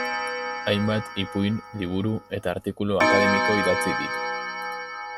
Hainbat ipuin liburu eta artikulu akademiko idatzi ditu.